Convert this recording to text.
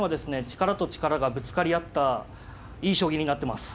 力と力がぶつかり合ったいい将棋になってます。